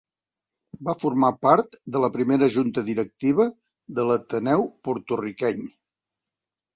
Va formar part de la primera Junta Directiva de l'Ateneu Porto-riqueny.